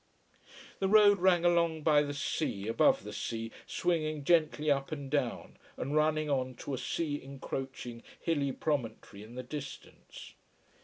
The road ran along by the sea, above the sea, swinging gently up and down, and running on to a sea encroaching hilly promontory in the distance.